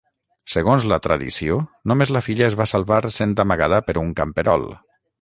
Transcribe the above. Segons la tradició, només la filla es va salvar sent amagada per un camperol.